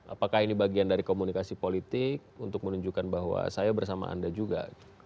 apakah ini bagian dari komunikasi politik untuk menunjukkan bahwa saya bersama anda juga